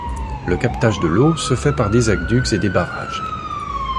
Le captage de l’eau se fait par des aqueducs et des barrages.